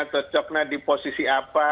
cocoknya di posisi apa